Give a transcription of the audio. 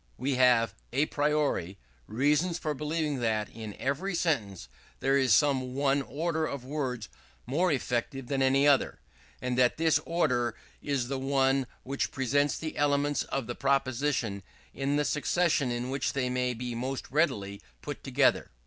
We have a priori reasons for believing that in every sentence there is some one order of words more effective than any other; and that this order is the one which presents the elements of the proposition in the succession in which they may be most readily put together.